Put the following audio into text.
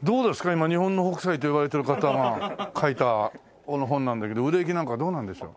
今日本の北斎といわれている方が描いたこの本なんだけど売れ行きなんかはどうなんでしょう？